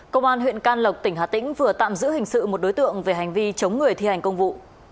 công an huyện can lộc tỉnh hà tĩnh vừa tạm giữ hình sự một đối tượng về hành vi chống người thi hành công vụ